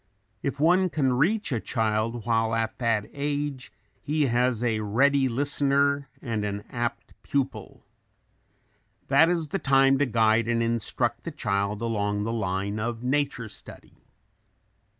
If one can reach a child while at that age he has a ready listener and an apt pupil. That is the time to guide and instruct the child along the line of nature study.